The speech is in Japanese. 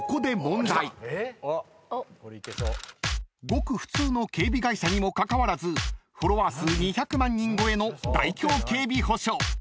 ［ごく普通の警備会社にもかかわらずフォロワー数２００万人超えの大京警備保障］